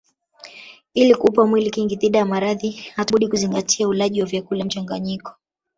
Ili kuupa mwili kinga dhidi ya maradhi hatuna budi kuzingatia ulaji wa vyakula mchanganyiko